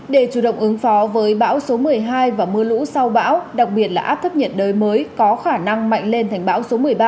để chủ động ứng phó với bão số một mươi hai và mưa lũ sau bão đặc biệt là áp thấp nhiệt đới mới có khả năng mạnh lên thành bão số một mươi ba